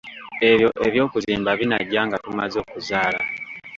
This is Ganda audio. Ebyo eby'okuzimba binajja nga tumaze okuzaala.